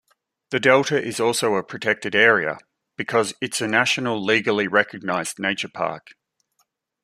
The delta is also a protected area, because it's a national-legally recognized nature park.